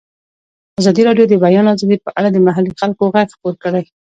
ازادي راډیو د د بیان آزادي په اړه د محلي خلکو غږ خپور کړی.